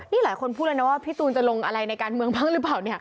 นี่หลายคนพูดเลยนะว่าพี่ตูนจะลงอะไรในการเมืองบ้างหรือเปล่าเนี่ย